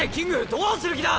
どうする気だ